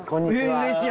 うれしい！